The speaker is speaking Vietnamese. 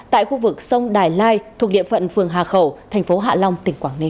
tại khu vực sông đài lai thuộc địa phận phường hà khẩu tp hạ long tỉnh quảng ninh